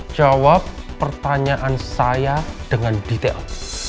jawab pertanyaan saya dengan detail